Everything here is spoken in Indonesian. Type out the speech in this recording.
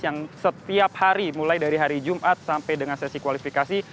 yang setiap hari mulai dari hari jumat sampai dengan sesi kualifikasi